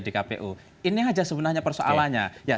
di kpu ini aja sebenarnya persoalannya